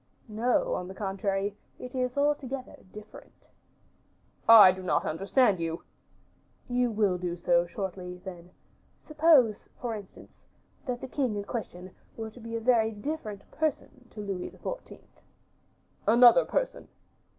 "No, on the contrary, it is altogether different." "I do not understand you." "You will do so, shortly, then; suppose, for instance, the king in question were to be a very different person to Louis XIV." "Another person."